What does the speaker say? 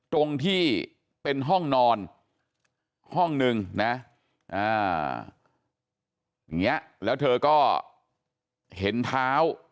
ตรงที่เป็นห้องนอนห้องนึงนะอย่างนี้แล้วเธอก็เห็นเท้า